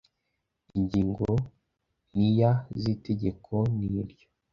ingingo ya n iya z itegeko n ryo